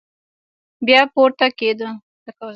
بيا پورته کېده.